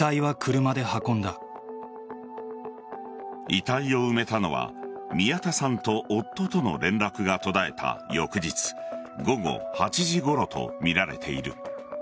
遺体を埋めたのは宮田さんと夫との連絡が途絶えた翌日午後８時ごろとみられている。